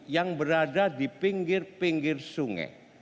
yang berada di pinggir pinggir sungai